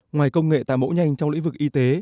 ngoài công nghệ tạo mẫu nhanh trong lĩnh vực y tế